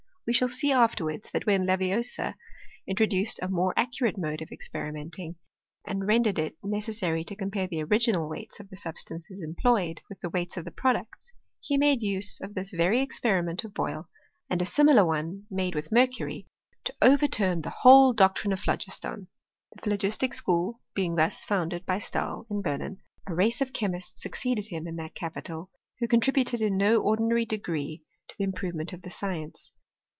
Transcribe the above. We shall see afterwards, that when Lavoisier introduced a more accurate mode of experimenting, and rendered it ne cessary to compare the original weights of the sub stances employed, with the weights of the products, he made use of tliis very experiment of Boyle, and a similar one made with mercury, to overturn the whole doctrine of phlogiston. The phlogistic School being thus founded by Stahl, in Berlin, a race of chemists succeeded him in that Capital, who contributed in no ordinary degree to the improvement of the science.